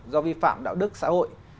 do vi phạm đạo đức xã hội